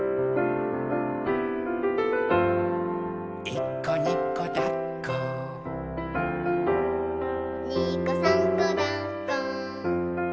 「いっこにこだっこ」「にこさんこだっこ」